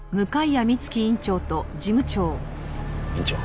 院長